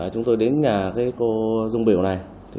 chúng tôi đến nhà cô dung biểu này